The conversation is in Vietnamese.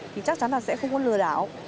thì chắc chắn là sẽ không có lừa đảo